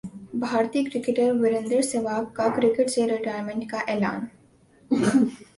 بھارتی کرکٹر وریندر سہواگ کا کرکٹ سے ریٹائرمنٹ کا اعلان